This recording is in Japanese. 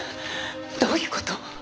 どういう事？